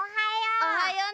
おはよう。